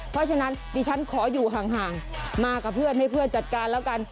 เพราะฉะนั้นดิฉันขออยู่ห่างมากับเพื่อนให้เพื่อนจัดการแล้วกัน